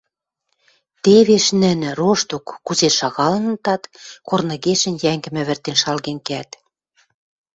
Тевеш нӹнӹ рошток кузен шагалынытат, корныгешӹн йӓнгӹм ӹвӹртен шалген кеӓт.